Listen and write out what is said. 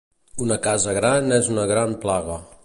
Una casa gran és una gran plaga.